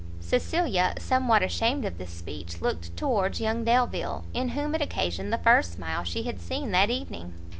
Cecilia, somewhat ashamed of this speech, looked towards young Delvile, in whom it occasioned the first smile she had seen that evening.